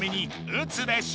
うつべし！